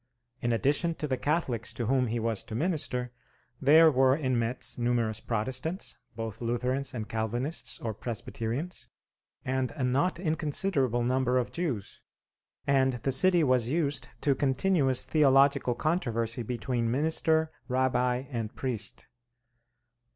In addition to the Catholics to whom he was to minister, there were in Metz numerous Protestants, both Lutherans, and Calvinists or Presbyterians, and a not inconsiderable number of Jews; and the city was used to continuous theological controversy between minister, rabbi, and priest.